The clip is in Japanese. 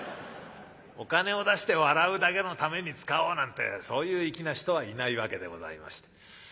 お金を出して笑うだけのために使おうなんてそういう粋な人はいないわけでございまして。